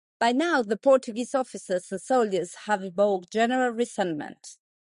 By now the Portuguese officers and soldiers had evoked general resentment.